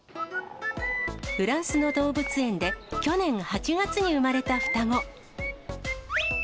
フランスの動物園で、去年８月に生まれた双子。